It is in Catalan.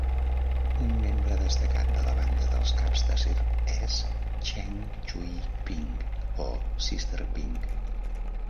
Un membre destacat de la banda dels caps de serp és Cheng Chui Ping o "Sister Ping".